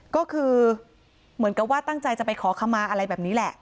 ก็คือเหมือนกับว่าตั้งใจจะไปขอคำมาอะไรแบบนี้แหละ